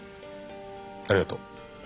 ありがとう。